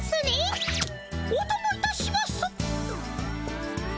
おともいたします。